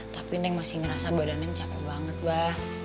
tapi neng masih ngerasa badannya capek banget bah